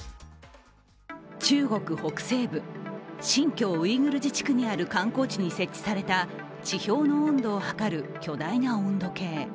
中国北西部、新疆ウイグル自治区にある観光地に設置された地表の温度をはかる巨大な温度計。